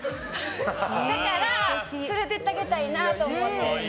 だから連れていってあげたいなと思って。